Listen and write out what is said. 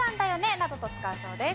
などと使うそうです。